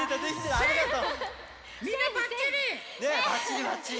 ありがとう！